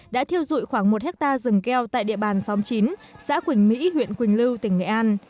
đã thiêu dụi khoảng một hectare rừng keo tại địa bàn xóm chín xã quỳnh mỹ huyện quỳnh lưu tỉnh nghệ an